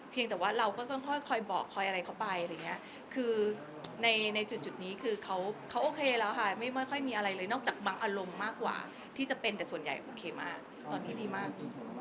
แต่ว่าเราก็ค่อยคอยบอกคอยอะไรเข้าไปอะไรอย่างเงี้ยคือในจุดนี้คือเขาโอเคแล้วค่ะไม่ค่อยมีอะไรเลยนอกจากบางอารมณ์มากกว่าที่จะเป็นแต่ส่วนใหญ่โอเคมากตอนนี้ดีมาก